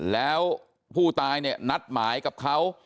แล้วผู้ตายเนี่ยนัดหมายกับเขา